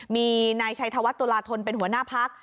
มีนายชัยธวัตธุรทนส์เป็นหัวหน้าภักษ์